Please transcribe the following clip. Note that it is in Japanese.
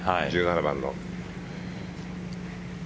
１７番の。